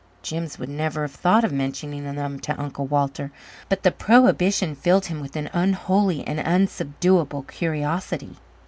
Jims would never have thought of mentioning them to Uncle Walter. But the prohibition filled him with an unholy and unsubduable curiosity.